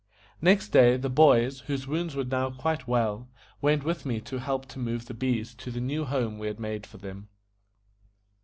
Next day, the boys, whose wounds were now quite well, went with me to help to move the bees to the new home we had made for them.